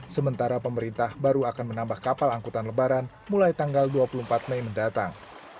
sementara pemerintah baru akan menambah kapal angkutan lebaran mulai tanggal dua puluh empat mei mendatang